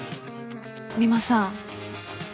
三馬さん。